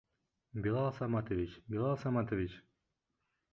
Билал Саматович, Билал Саматович!